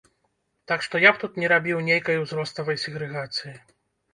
Так што я б тут не рабіў нейкай узроставай сегрэгацыі.